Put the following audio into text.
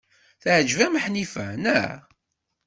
Teɛjeb-am Ḥnifa, naɣ?